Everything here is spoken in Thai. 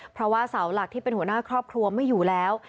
เพราะว่าเสาหลักที่เป็นหัวหน้าครอบครัวไม่อยู่แล้ว